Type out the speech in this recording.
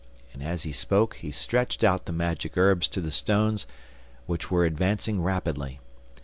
And as he spoke he stretched out the magic herbs to the stones, which were advancing rapidly.